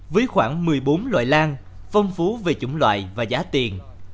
với khoảng một mươi bốn loại lan phong phú về chủng loại và giá tiền